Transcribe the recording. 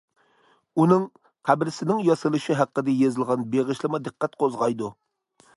ئۇنىڭ قەبرىسىنىڭ ياسىلىشى ھەققىدە يېزىلغان بېغىشلىما دىققەت قوزغايدۇ.